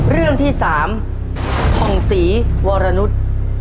เรื่องที่๓ผ่องศรีวรนุษย์